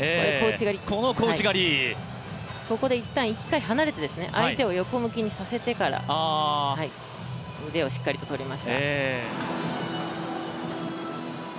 小内刈り、ここで一旦、一回離れて相手を横向きにさせてから腕をしっかりととりました。